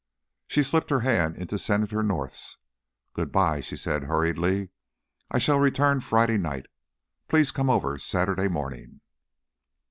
She slipped her hand into Senator North's. "Good bye," she said hurriedly. "I shall return Friday night. Please come over Saturday morning."